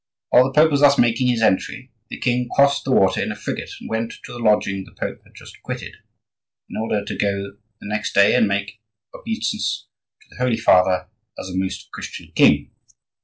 While the Pope was thus making his entry, the king crossed the water in a frigate and went to the lodging the Pope had just quitted, in order to go the next day and make obeisance to the Holy Father as a Most Christian king.